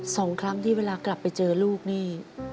สองครั้งที่เวลากลับไปเจอลูกนี่